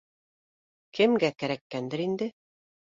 — Кемгә кәрәккәндер инде